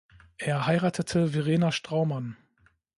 Er heiratete Verena Straumann.